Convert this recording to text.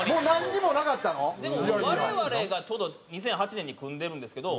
でも我々がちょうど２００８年に組んでるんですけど。